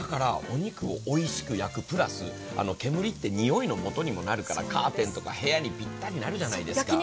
お肉をおいしく焼くプラス煙って匂いのもとにもなるからカーペットとか部屋の匂いが気になるじゃないですか。